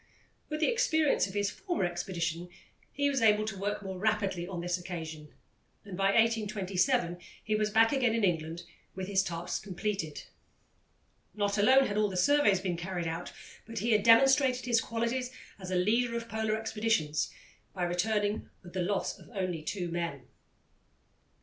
With the experience of his former expedition, he was able to work more rapidly on this occasion, and by 1827 he was back again in England with his task completed. Not alone had all the surveys been carried out, but he had demonstrated his qualities as a leader of Polar expeditions by returning with the loss of only two men. [Illustration: W. E.